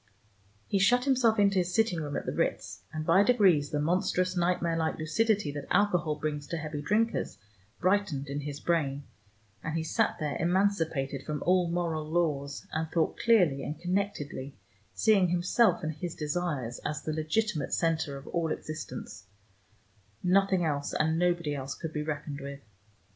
He shut himself into his sitting room at the Ritz, and by degrees the monstrous nightmare like lucidity that alcohol brings to heavy drinkers brightened in his brain, and he sat there emancipated from all moral laws, and thought clearly and connectedly, seeing himself and his desires as the legitimate center of all existence; nothing else and nobody else could be reckoned with.